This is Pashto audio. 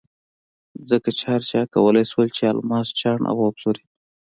ځکه چې هر چا کولای شول چې الماس چاڼ او وپلوري.